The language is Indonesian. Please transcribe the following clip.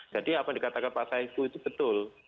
jadi apa yang dikatakan pak saif itu itu betul